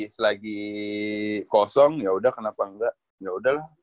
selagi kosong yaudah kenapa enggak yaudahlah